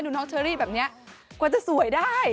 น้องเชอรี่แบบนี้กว่าจะสวยได้